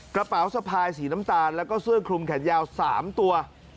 กระเป๋าสะพายสีน้ำตาลแล้วก็เสื้อคลุมแขนยาว๓ตัว